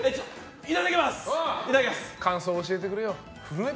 感想を教えてくれよ。